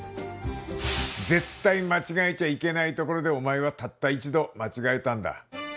絶対間違えちゃいけないところでお前はたった一度間違えたんだ。